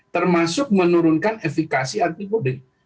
termasuk menurunkan efekasi anti publik